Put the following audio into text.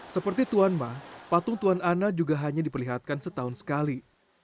seperti tuan ma patung tuan ana juga hanya diperlihatkan setahun sekali